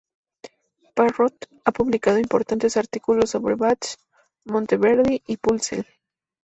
Parrott ha publicado importantes artículos sobre Bach, Monteverdi y Purcell.